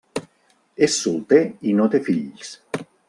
És solter i no té fills.